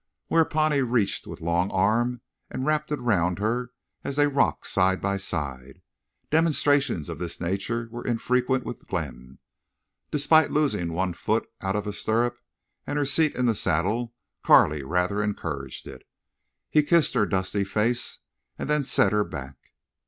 Whereupon he reached with long, arm and wrapped it round her as they rocked side by side. Demonstrations of this nature were infrequent with Glenn. Despite losing one foot out of a stirrup and her seat in the saddle Carley rather encouraged it. He kissed her dusty face, and then set her back.